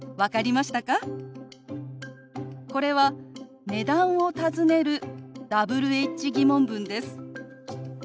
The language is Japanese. これは値段を尋ねるＷｈ−疑問文です。